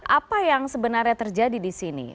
apa yang sebenarnya terjadi di sini